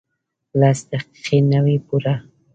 لس دقیقې نه وې پوره.